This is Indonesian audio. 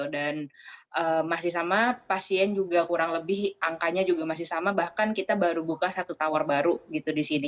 dan masih sama pasien juga kurang lebih angkanya juga masih sama bahkan kita baru buka satu tower baru di sini